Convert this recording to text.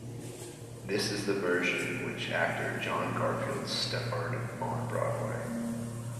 This is the version in which actor John Garfield starred on Broadway.